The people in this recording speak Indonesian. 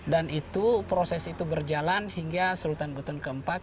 dan itu proses itu berjalan hingga sultan buton keempat